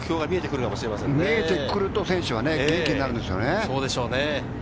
見えてくると選手は元気になるんですよね。